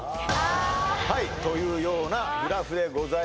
あはいというようなグラフでございます